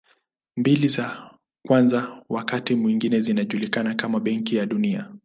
Mbili za kwanza wakati mwingine zinajulikana kama Benki ya Dunia.